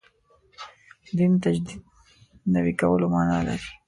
دین تجدید نوي کولو معنا لري.